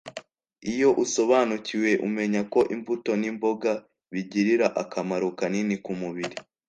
Iyo usobanukiwe umenya ko imbuto n’imboga bigirira akamaro kanini kumubiri,